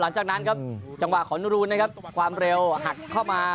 หลังจากนั้นครับจังหวะของนูรูนนะครับความเร็วหักเข้ามา